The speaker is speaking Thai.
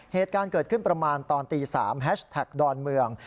เหตุการณ์เกิดขึ้นประมาณตอนตี๓แฮชแท็กดอนเมือง